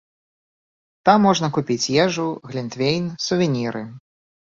Там можна купіць ежу, глінтвейн, сувеніры.